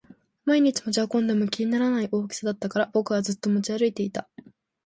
毎日持ち運んでも気にならない大きさだったから僕はずっと持ち歩いていた